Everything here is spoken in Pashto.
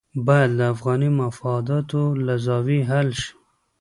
باید له افغاني مفاداتو له زاویې حل شي.